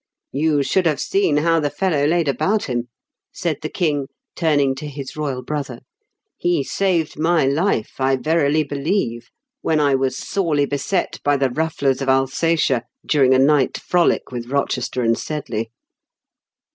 "You should have seen how the fellow laid about him," said the King, turning to his royal brother. " He saved my life, I verily believe, when I was sorely beset by the rufflers of Alsatia during a night frolic with Eochester and Sedley."